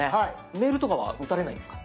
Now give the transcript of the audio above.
メールとかは打たれないんですか？